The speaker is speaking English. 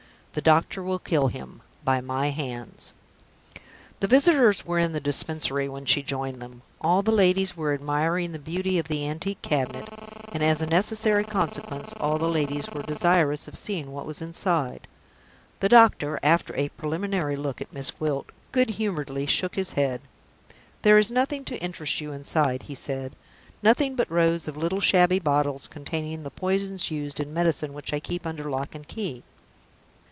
"The doctor will kill him, by my hands." The visitors were in the Dispensary when she joined them. All the ladies were admiring the beauty of the antique cabinet; and, as a necessary consequence, all the ladies were desirous of seeing what was inside. The doctor after a preliminary look at Miss Gwilt good humoredly shook his head. "There is nothing to interest you inside," he said. "Nothing but rows of little shabby bottles containing the poisons used in medicine which I keep under lock and key.